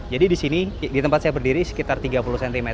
jadi di sini di tempat saya berdiri sekitar tiga puluh cm